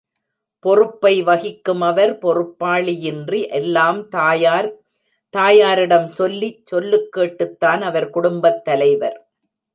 பொறுப்பை வகிக்கும் அவர், பொறுப்பாளியின்றி, எல்லாம் தாயார் தாயாரிடம் சொல்லி சொல்லுக் கேட்டுத்தான் அவர் குடும்பத் தலைவர்!